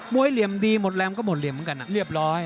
มวยเหลี่ยมดีหมดแรงก็หมดเหลี่ยมเหมือนกันนะ